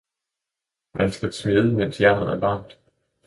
Man skal smede mens jernet er varmt.